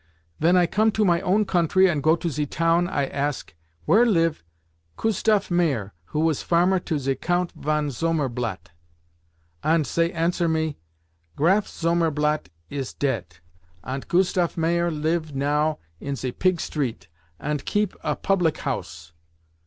Ven I come to my own country and go to ze town I ask, 'Where live Kustaf Mayer who was farmer to ze Count von Zomerblat?' ant zey answer me, 'Graf Zomerblat is deat, ant Kustaf Mayer live now in ze pig street, ant keep a public house.